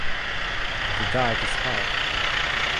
The dyke is high.